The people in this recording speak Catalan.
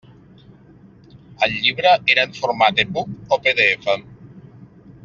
El llibre era en format EPUB o PDF?